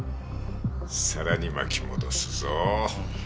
さらに巻き戻すぞ。